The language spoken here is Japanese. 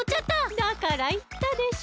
だからいったでしょ？